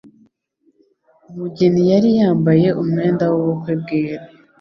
Umugeni yari yambaye umwenda w'ubukwe bwera.